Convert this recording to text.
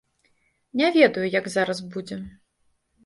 Не ведаю, як зараз будзе.